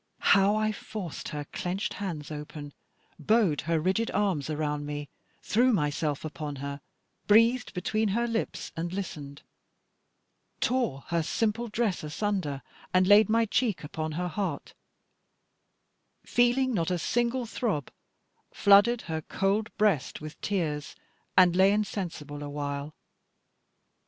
How I forced her clenched hands open, bowed her rigid arms around me, threw myself upon her, breathed between her lips and listened, tore her simple dress asunder and laid my cheek upon her heart; feeling not a single throb, flooded her cold breast with tears, and lay insensible awhile.